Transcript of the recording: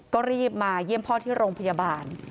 ก็รีบมาเยี่ยมพ่อที่โรงพยาบาล